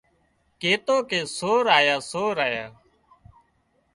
ڪيتو ڪي سور آيا سور آيا